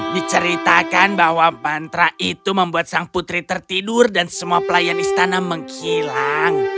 diceritakan bahwa mantra itu membuat sang putri tertidur dan semua pelayan istana menghilang